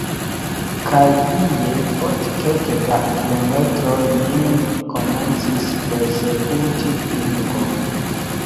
Kaj ie, post kelke da kilometroj, nin komencis persekuti linko.